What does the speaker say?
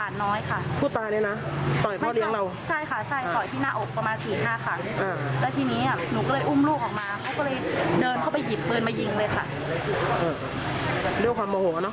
ดูความโมหูอะเน๊อะ